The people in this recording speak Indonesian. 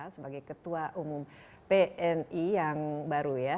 sebagai ketua umum pni yang baru ya